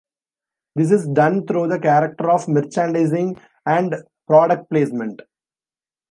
This is done through the character of merchandising and product placement.